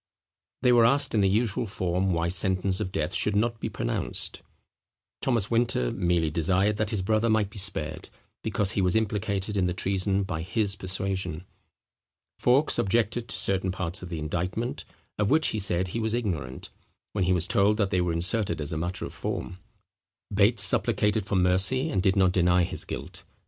They were asked in the usual form why sentence of death should not be pronounced. Thomas Winter merely desired that his brother might be spared, because he was implicated in the treason by his persuasion. Fawkes objected to certain parts of the indictment, of which he said he was ignorant; when he was told that they were inserted as a matter of form. Bates supplicated for mercy, and did not deny his guilt.